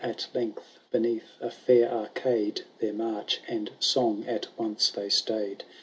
At length, heneath a fair arcade i Their march and Bong at once they staid.